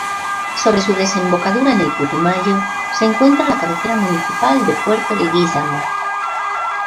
Sobre su desembocadura en el Putumayo se encuentra la cabecera municipal de Puerto Leguízamo.